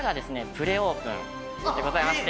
プレオープンでございまして。